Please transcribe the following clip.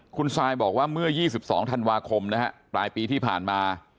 คุณซายบอกว่าเมื่อ๒๒ธันวาคมนะฮะปลายปีที่ผ่านมา